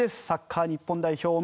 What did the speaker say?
サッカー日本代表